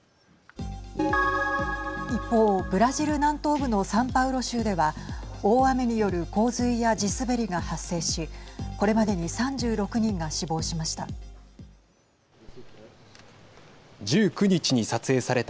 一方、ブラジル南東部のサンパウロ州では大雨による洪水や地滑りが発生しこれまでに３６人が死亡しました。